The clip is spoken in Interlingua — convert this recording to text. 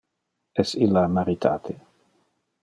Es illa maritate?